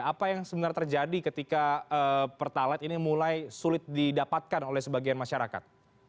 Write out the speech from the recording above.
apa yang sebenarnya terjadi ketika pertalat ini mulai sulit didapatkan oleh sebagian masyarakat